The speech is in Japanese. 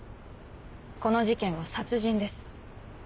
この事件は殺人です。